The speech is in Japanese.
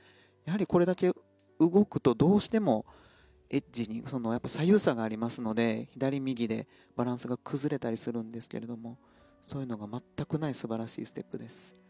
これだけ動くとどうしてもエッジに左右差がありますので左右でバランスが崩れたりするんですがそういうのが全くない素晴らしいステップです。